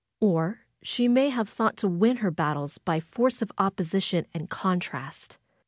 Or she may have thought to win her battles by the force of opposition and contrast.